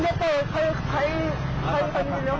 เดี๋ยวกูส่องให้ตรงขนส่อง